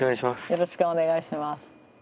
よろしくお願いします。